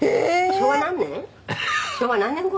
昭和何年頃？」